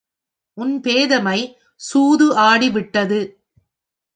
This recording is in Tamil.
உன் பேதைமை சூது ஆடிவிட்டது.